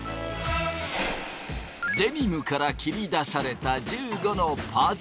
デニムから切り出された１５のパーツ。